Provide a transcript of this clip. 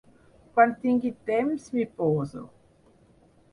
Quan tingui temps m'hi poso.